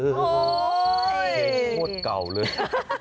เฮ้ยโคตรเก่าเลย